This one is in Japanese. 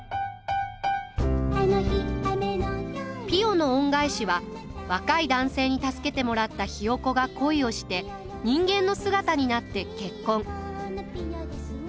「ピヨの恩返し」は若い男性に助けてもらったヒヨコが恋をして人間の姿になって結婚。